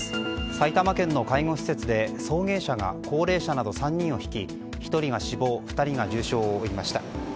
埼玉県の介護施設で送迎車が高齢者など３人をひき１人が死亡２人が重傷を負いました。